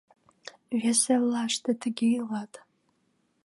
Вес эллаште тыге илат.